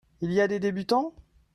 Il y a des débutants ?